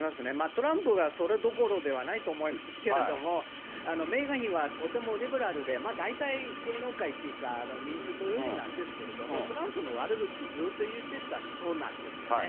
トランプがそれどころではないと思いますけれども、メーガン妃はとてもリベラルで、大体、芸能界、民主党寄りなんですけれども、トランプの悪口ずっと言ってた人なんですよね。